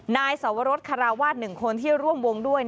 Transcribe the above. นายสวรสคาราวาส๑คนที่ร่วมวงด้วย